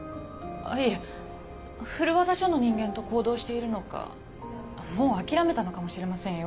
いえ古和田署の人間と行動しているのかもう諦めたのかもしれませんよ。